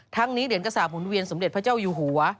ทั้งนี้เหรียญกระสาปหุ่นเวียนสมเด็จพระเจ้าอยู่หัว